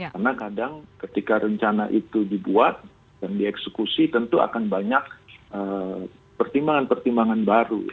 karena kadang ketika rencana itu dibuat dan dieksekusi tentu akan banyak pertimbangan pertimbangan baru